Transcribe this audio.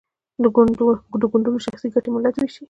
د ګوندونو شخصي ګټې ملت ویشي.